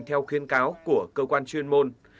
theo khuyên cáo của cơ quan chuyên môn